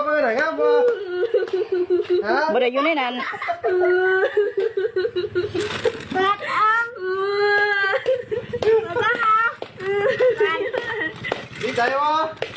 เปามาจำให้คุณจ้า